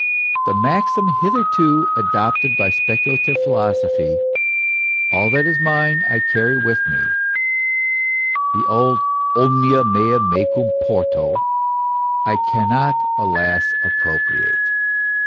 The maxim hitherto adopted by speculative philosophy: all that is mine I carry with me, the old omnia mea mecum porto, I cannot, alas ! appropriate.